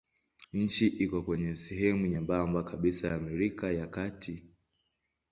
Nchi iko kwenye sehemu nyembamba kabisa ya Amerika ya Kati.